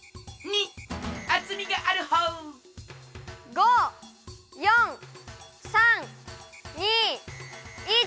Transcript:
５４３２１。